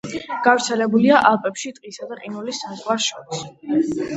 გავრცელებულია ალპებში ტყისა და ყინულის საზღვარს შორის.